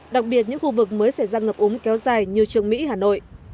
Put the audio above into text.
đặc biệt những khu vực mới xảy ra ngập úng kéo dài như trường mỹ hà nội